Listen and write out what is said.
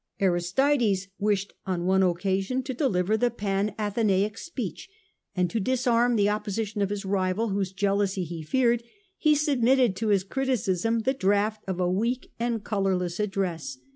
Aristides wished on one occasion to deliver the Panathenaic speech ; and to disarm the opposition of his rival, whose jealousy he feared, he submitted to his criticism the draft of a weak and colourless address.